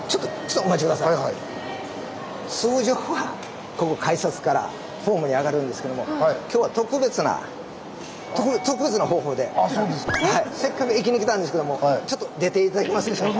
通常はここ改札からホームに上がるんですけどもせっかく駅に来たんですけどもちょっと出て頂けますでしょうか。